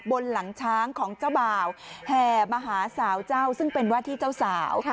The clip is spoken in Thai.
บนหลังช้างของเจ้าบ่าวแห่มาหาสาวเจ้าซึ่งเป็นว่าที่เจ้าสาว